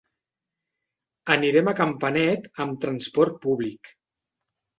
Anirem a Campanet amb transport públic.